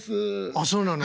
「あっそうなの？」。